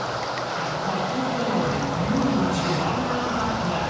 発酵パワーで料理の味がワンランクアップ